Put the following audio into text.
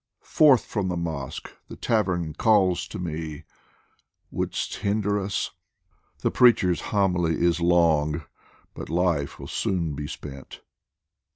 Forth from the mosque ! the tavern calls to me ! Would'st hinder us ? The preacher's homily Is long, but life will soon be spent